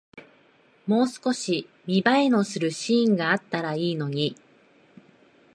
もう少し見栄えのするシーンがあったらいいのに